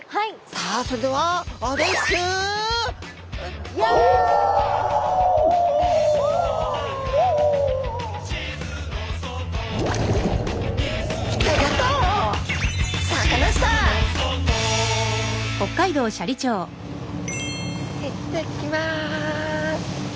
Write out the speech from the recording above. さあそれでは行ってきます！